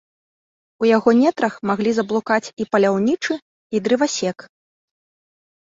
У яго нетрах маглі заблукаць і паляўнічы, і дрывасек.